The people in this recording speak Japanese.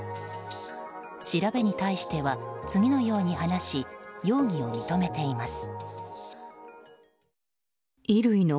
調べに対しては次のように話し容疑を認めています。